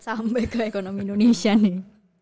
sampai ke ekonomi indonesia nih